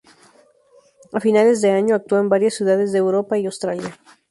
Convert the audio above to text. A finales de año, actuó en varias ciudades de Europa y Australia.